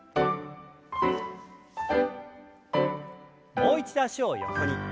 もう一度脚を横に。